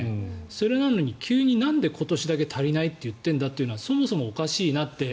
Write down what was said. それなのに急になんで今年だけ足りないって言っているんだっていうのはそもそもおかしいなって。